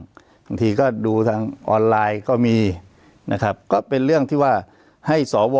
บางทีก็ดูทางออนไลน์ก็มีนะครับก็เป็นเรื่องที่ว่าให้สว